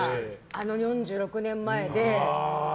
あの４６年前で。